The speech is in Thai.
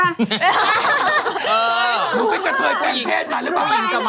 เออสูงมากนุ้นเป็นกระเทยแปลงเพศหรือเปล่า